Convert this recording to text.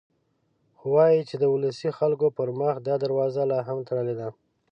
خو وايي چې د ولسي خلکو پر مخ دا دروازه لا هم تړلې ده.